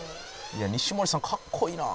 「西森さんかっこいいな」